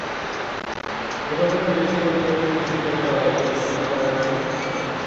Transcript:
নির্বাচনে বিদেশি পর্যবেক্ষক নিষিদ্ধ করা হয়েছে, বিচ্ছিন্ন করা হয়েছে ইন্টারনেট সংযোগ।